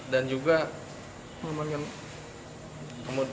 dan juga memanjakan